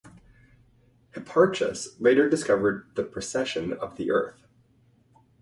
Hipparchus later discovered the precession of the Earth.